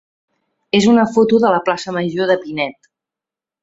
és una foto de la plaça major de Pinet.